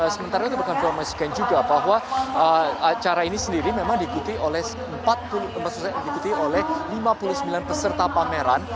sementara itu berkonformasikan juga bahwa acara ini sendiri memang diikuti oleh empat puluh sembilan peserta pameran